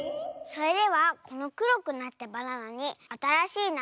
それではこのくろくなったバナナにあたらしいなまえをつけて。